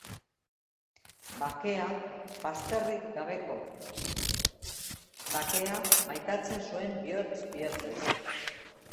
Bakea, bazterrik gabeko bakea, maitatzen zuen bihotz-bihotzez.